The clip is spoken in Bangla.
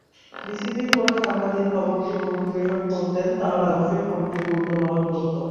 বিবিসির কোনো সাংবাদিক খবরটি পরিবেশন করতেন, তাহলে অবশ্যই খবরটি গুরুত্ব বহন করত।